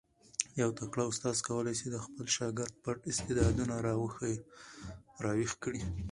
یو تکړه استاد کولای سي د خپل شاګرد پټ استعدادونه را ویښ کړي.